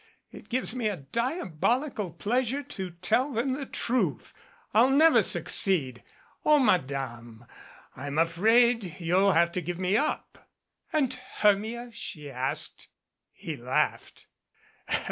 It gives me a diabolical pleasure to tell them the truth. I'll never succeed. O Madame ! I'm afraid you'll have to give me up." "And Hermia?" she asked. He laughed.